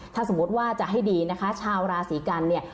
ถ้าสมมุติว่าจะให้ดีนะคะชาวราศีกันเนี่ย